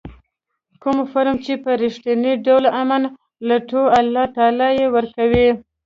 کوم قوم چې په رښتیني ډول امن لټوي الله تعالی یې ورکوي.